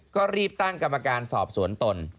ก็รีบตั้งกรรมการสอบสวนตน